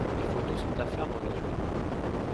Mes photos sont affaire d’engagement.